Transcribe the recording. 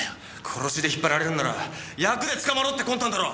殺しで引っ張られるんならヤクで捕まろうって魂胆だろ！